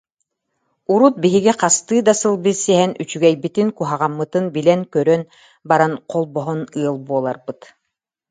Урут биһиги хастыы да сыл билсиһэн, үчүгэйбитин-куһаҕаммытын билэн-көрөн баран холбоһон ыал буоларбыт